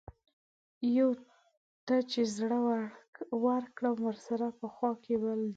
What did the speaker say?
يو ته چې زړۀ ورکړم ورسره پۀ خوا کښې بل دے